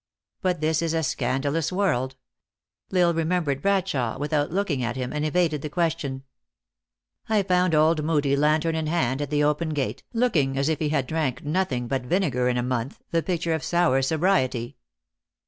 But this is a scandalous world. L Isle remembered Bradshawe, without looking at him, and evaded the question. " I found old Hoodie, lantern in hand, at the open gate, looking as if he had drank nothing but vinegar in a month, the picture of sour sobriety